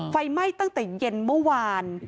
ไฟไหม้ตั้งแต่เย็นเมื่อวาน